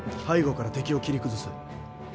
背後から敵を切り崩す。